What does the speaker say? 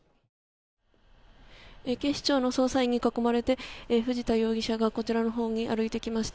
警視庁の捜査員に囲まれて藤田容疑者がこちらのほうに歩いてきました。